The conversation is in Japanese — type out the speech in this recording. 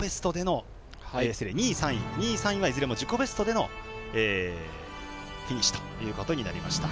２位、３位いずれも自己ベストでのフィニッシュとなりました。